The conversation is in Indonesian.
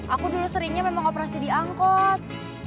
aku dulu seringnya memang operasi diangkut